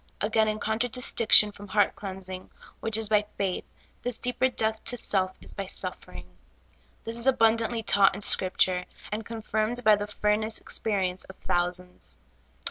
Again, in contradistinction from heart cleansing, which is by faith, this deeper death to self is by suffering. A DEEPER DEATH TO SELF. 13 This is abundantly taught in Scripture, and confirmed by the furnace experience of thousands.